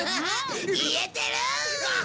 言えてる！